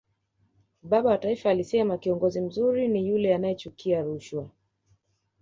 baba wa taifa alisema kiongozi mzuri ni yule anayechukia rushwa